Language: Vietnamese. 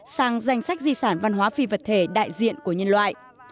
sang danh sách di sản văn hóa phi vật thể đại diện của nhân loại